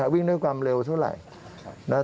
วิ่งด้วยความเร็วเท่าไหร่